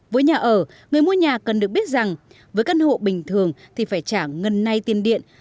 với nhà ở người mua nhà cần được biết rằng với căn hộ bình thường thì phải trả ngân nay tiền điện